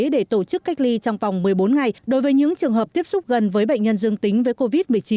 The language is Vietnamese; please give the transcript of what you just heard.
để tổ chức cách ly trong vòng một mươi bốn ngày đối với những trường hợp tiếp xúc gần với bệnh nhân dương tính với covid một mươi chín